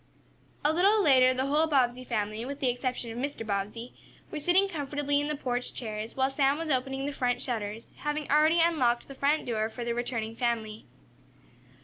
A little later the whole Bobbsey family, with the exception of Mr. Bobbsey, were sitting comfortably in the porch chairs, while Sam was opening the front shutters, having already unlocked the front door for the returning family.